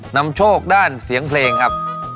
นำโชคด้านเสียงเพลงครับ